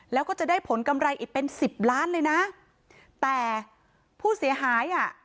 แล้วก็จะได้ผลกำไรอีกเป็นสิบล้านเลยนะแต่ผู้เสียหายอ่ะ